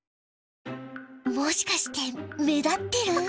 もしかして目立ってる！？